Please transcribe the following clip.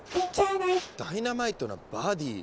「ダイナマイトなバディ」。